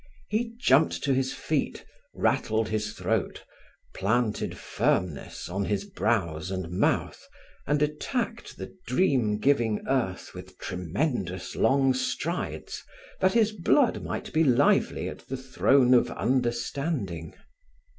He jumped to his feet, rattled his throat, planted firmness on his brows and mouth, and attacked the dream giving earth with tremendous long strides, that his blood might be lively at the throne of understanding.